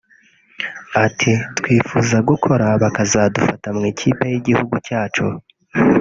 Ati “Twifuza gukora bakazadufata mu ikipe y’igihugu cyacu